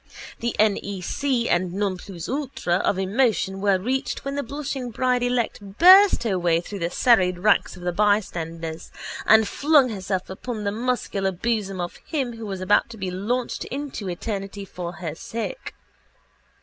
The nec and non plus ultra of emotion were reached when the blushing bride elect burst her way through the serried ranks of the bystanders and flung herself upon the muscular bosom of him who was about to be launched into eternity for her sake.